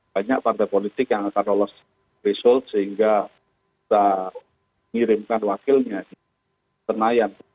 banyak partai politik yang akan lolos result sehingga bisa mengirimkan wakilnya di senayan